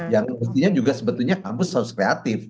yang mestinya juga sebetulnya kampus harus kreatif